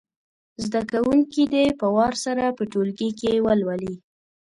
زده کوونکي دې په وار سره په ټولګي کې ولولي.